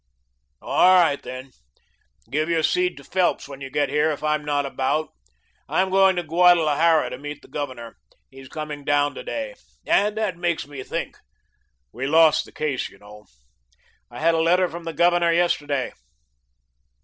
... All right, then. Give your seed to Phelps when you get here if I am not about. I am going to Guadalajara to meet the Governor. He's coming down to day. And that makes me think; we lost the case, you know. I had a letter from the Governor yesterday....